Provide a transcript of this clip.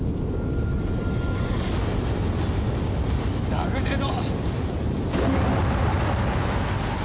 ダグデド！